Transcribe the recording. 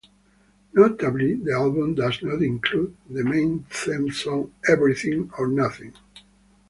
Notably, the album does not include the main theme song "Everything or Nothing".